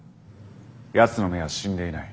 やつの目は死んでいない。